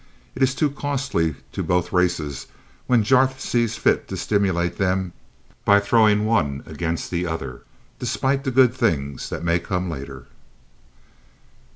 It is too costly to both races when Jarth sees fit to stimulate them by throwing one against the other, despite the good things that may come later."